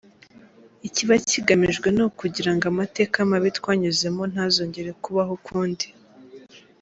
Ikiba kigamijwe ni ukugira ngo amateka mabi twanyuzemo ntazongere kubaho ukundi.